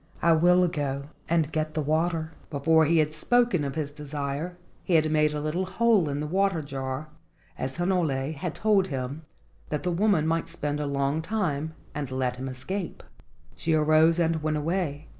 I will go and get the water." Before he had spoken of his desire he had made a little hole in the water jar, as Hinole had told him, that the woman might spend a long time and let him escape. She arose and went away.